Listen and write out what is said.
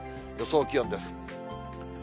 予想気温です。